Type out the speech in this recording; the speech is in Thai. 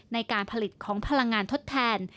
ในการผลิตของพลังงานทดแทน